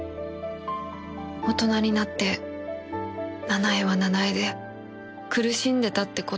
大人になって奈々江は奈々江で苦しんでたって事を知った